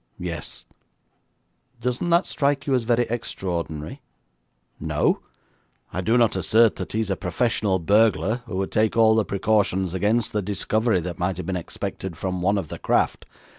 'Yes.' 'Doesn't that strike you as very extraordinary?' 'No. I do not assert that he is a professional burglar, who would take all the precautions against the discovery that might have been expected from one of the craft.